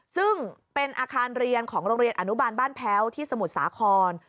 ซึ่งเป็นอาคารเรียนของโรงเรียนอนุบาลบ้านแพ้วที่สมุทรสาคร